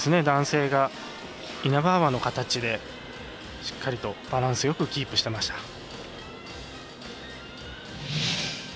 男性が、イナバウアーの形でしっかりとバランスよくキープしていました。